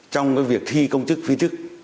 trong cái việc thi công chức phi chức